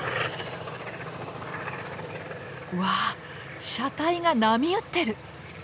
わあ車体が波打ってる！